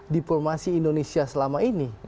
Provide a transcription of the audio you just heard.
diplomasi indonesia selama ini